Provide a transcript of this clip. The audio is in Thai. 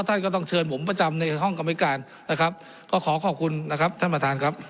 ท่านก็ต้องเชิญผมประจำในห้องกรรมวิการนะครับก็ขอขอบคุณนะครับท่านประธานครับ